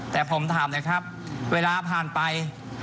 แต่ผมถามหน่อยครับเวลาผ่านไป